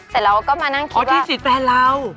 เสร็จเราก็มานั่งคิดว่าอ๋อที่สิทธิ์แฟนเรา